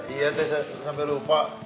iya teh sampai lupa